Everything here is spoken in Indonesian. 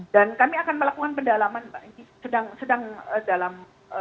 dan kami akan melakukan pendalaman sedang dalam